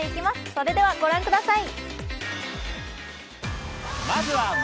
それではご覧ください。